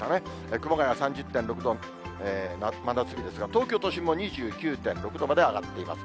熊谷３０．６度、真夏日ですが、東京都心も２９．６度まで上がっています。